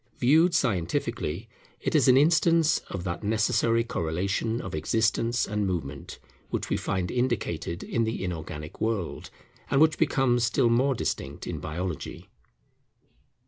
Viewed scientifically, it is an instance of that necessary correlation of existence and movement, which we find indicated in the inorganic world, and which becomes still more distinct in Biology.